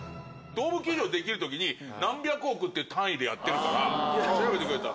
ドーム球場出来る時に何百億っていう単位でやってるから調べてくれた。